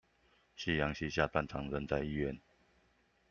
夕陽西下，斷腸人在醫院